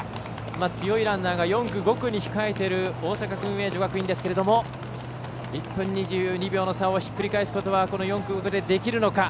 強いランナーが４区、５区に控えてる大阪薫英女学院ですけれども１分２２秒の差をひっくり返すことはこの４区、５区でできるのか。